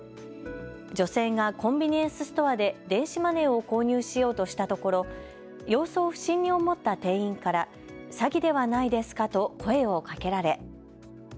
女性がコンビニエンスストアで電子マネーを購入しようとしたところ、様子を不審に思った店員から詐欺ではないですかと声をかけられ。